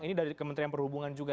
ini dari kementerian perhubungan juga